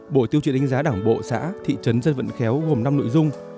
bộ tiêu trị đánh giá đảng bộ xã thị trấn dân vận khéo gồm năm nội dung